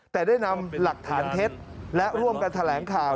แต่ได้นำหลักฐานเท็จและร่วมกันแถลงข่าว